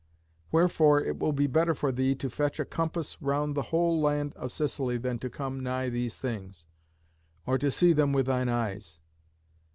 Wherefore it will be better for thee to fetch a compass round the whole land of Sicily than to come nigh these things, or to see them with thine eyes.